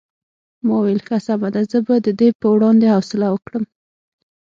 ما وویل ښه سمه ده زه به د دې په وړاندې حوصله وکړم.